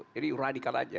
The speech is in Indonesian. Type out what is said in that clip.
jadi radikal aja